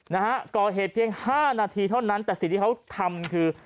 นะฮะก่อเหตุเพียงห้านาทีเท่านั้นแต่สิ่งที่เขาทำคือ